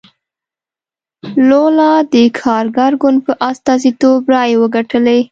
لولا د کارګر ګوند په استازیتوب رایې وګټلې.